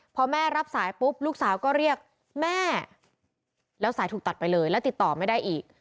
พอแม่รับสายปุ๊บลูกสาวก็เรียกแม่แล้วสายถูกตัดไปเลยแล้วติดต่อไม่ได้อีก